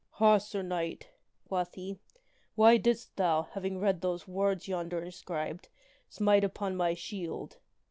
" Ha ! Sir Knight!" quoth he, "why didst thou, having read those words yonder inscribed, smite upon my shield